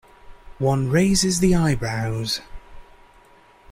One raises the eyebrows.